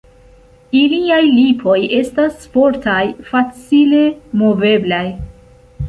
Iliaj lipoj estas fortaj, facile moveblaj.